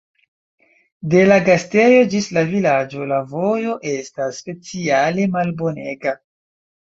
De la gastejo ĝis la vilaĝo, la vojo estas speciale malbonega.